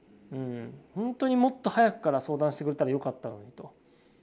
ほんとにもっと早くから相談してくれたらよかったのにと。